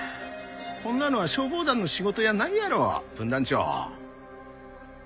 こんなのは消防団の仕事やないやろ分団長。